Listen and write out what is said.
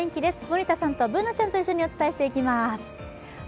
森田さんとＢｏｏｎａちゃんと一緒にお伝えしていきます。